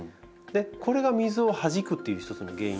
これが水をはじくっていう一つの原因。